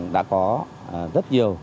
đã có rất nhiều